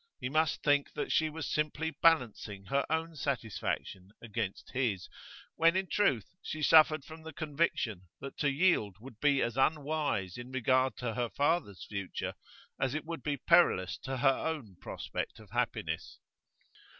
He must think that she was simply balancing her own satisfaction against his, when in truth she suffered from the conviction that to yield would be as unwise in regard to her father's future as it would be perilous to her own prospect of happiness.